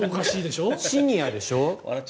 シニアでしょ。